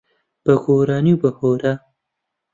بە گۆرانی و بە هۆرە